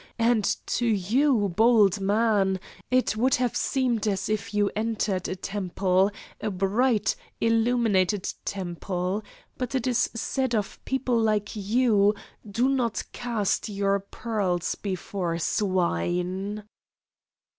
And to you, bold man, it would have seemed as if you entered a temple a bright, illuminated temple. But it is said of people like you 'do not cast your pearls before swine.